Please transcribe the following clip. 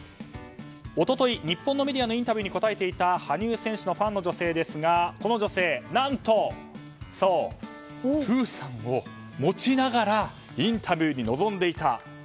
一昨日、日本のメディアのインタビューに答えていた羽生選手のファンの女性ですがこの女性、何とプーさんを持ちながらインタビューに臨んでいた。